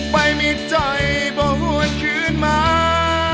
ไปมีใจโบนคืนมา